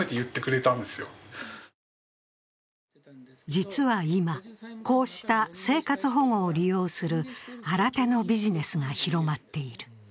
実は今、こうした生活保護を利用する新手のビジネスが広まっている。